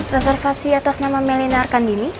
reservasi atas nama melina arkandini